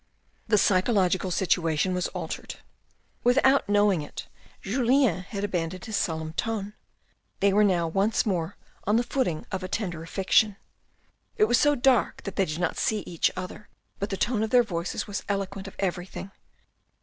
The psychological situation was altered. Without knowing AN AMBITIOUS MAN 227 it Julien had abandoned his solemn tone; they were now once more on the footing of a tender affection. It was so dark that they did not see each other but the tone of their voices was eloquent of everything.